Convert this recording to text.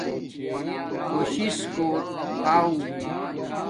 خوش شس کوٹ آݹ